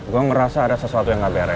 gue ngerasa ada sesuatu yang gak berhasil